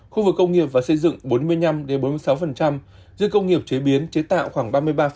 khu vực công nghiệp và xây dựng bốn mươi năm bốn mươi sáu riêng công nghiệp chế biến chế tạo khoảng ba mươi ba